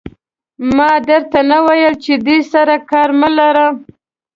ما در ته نه ویل چې دې سره کار مه لره.